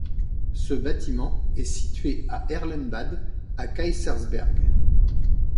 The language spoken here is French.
Ce bâtiment est situé au Erlenbad à Kaysersberg.